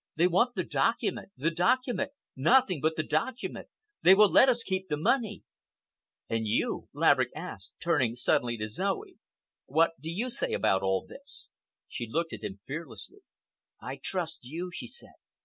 They want the document—the document—nothing but the document! They will let us keep the money." "And you?" Laverick asked, turning suddenly to Zoe. "What do you say about all this?" She looked at him fearlessly. "I trust you," she said.